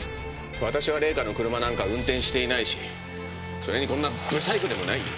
私は礼香の車なんか運転していないしそれにこんなブサイクでもない。